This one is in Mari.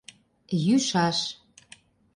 Йӱшаш.